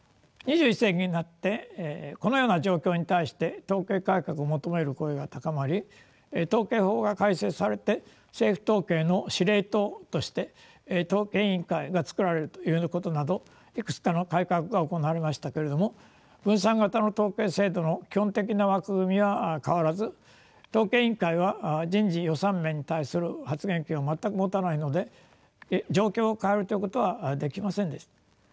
２１世紀になってこのような状況に対して統計改革を求める声が高まり統計法が改正されて政府統計の司令塔として統計委員会が作られるというようなことなどいくつかの改革が行われましたけれども分散型の統計制度の基本的な枠組みは変わらず統計委員会は人事予算面に対する発言権を全く持たないので状況を変えるということはできませんでした。